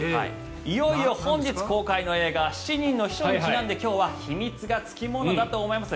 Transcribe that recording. いよいよ本日公開の映画「七人の秘書」にちなんで今日は秘密が付き物だと思います